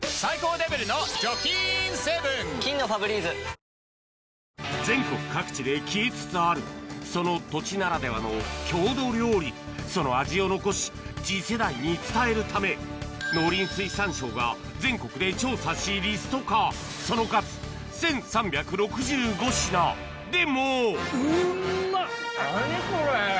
もっと「ＤＲＹＣＲＹＳＴＡＬ」全国各地で消えつつあるその土地ならではの郷土料理その味を残し次世代に伝えるため農林水産省が全国で調査しリスト化その数でも何これ！